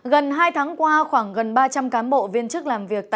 gần hai tháng qua khoảng gần ba trăm linh cán bộ viên chức làm việc